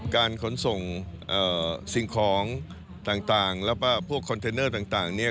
การขนส่งสินค้าต่างและพวกคอนเทนเนอร์ต่างนี้